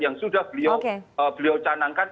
yang sudah beliau canangkan